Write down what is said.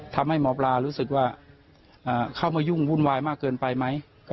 ทำให้หมอปลารู้สึกว่าเข้ามายุ่งวุ่นวายมากเกินไปไหม